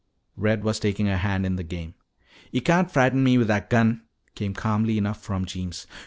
Red was taking a hand in the game. "Yo' can't fright'n me with that gun," came calmly enough from Jeems.